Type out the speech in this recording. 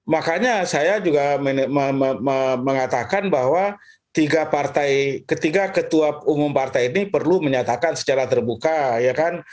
makanya saya juga mengatakan bahwa ketiga ketua umum partai ini perlu menyatakan secara terbuka ya kan